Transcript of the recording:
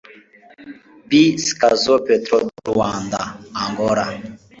Bae Sicasal Petro de Luanda (Angola)